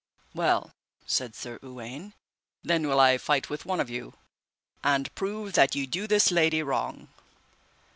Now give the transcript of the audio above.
Well, said Sir Uwaine, then will I fight with one of you, and prove that ye do this lady wrong.